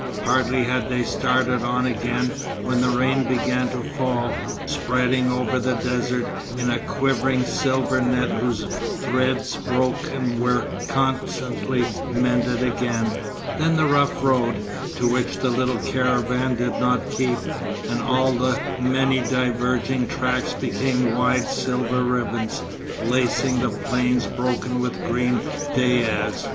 Hardly had they started on again, when rain began to fall, spreading over the desert in a quivering silver net whose threads broke and were constantly mended again. Then the rough road (to which the little caravan did not keep) and all the many diverging tracks became wide silver ribbons, lacing the plain broken with green dayas.